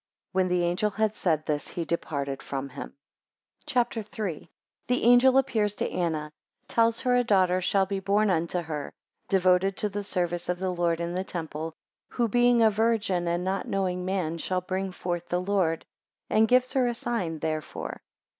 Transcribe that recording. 14 When the angel had said this, he departed from him. CHAPTER III. 1 The angel appears to Anna; 2 tells her a daughter shall be born unto her, 3 devoted to the service of the Lord in the temple, 5, who, being a virgin, and not knowing man, shall bring forth the Lord, 6 and gives her a sign therefore.